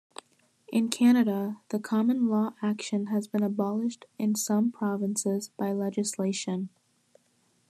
In Canada, the common law action has been abolished in some provinces by legislation.